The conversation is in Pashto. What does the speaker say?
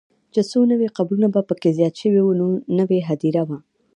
چې څو نوي قبرونه به پکې زیات شوي وو، نوې هدیره وه.